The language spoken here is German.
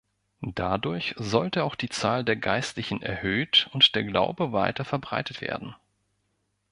Dadurch sollte auch die Zahl der Geistlichen erhöht und der Glaube weiter verbreitet werden.